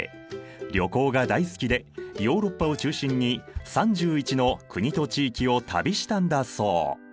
旅行が大好きでヨーロッパを中心に３１の国と地域を旅したんだそう！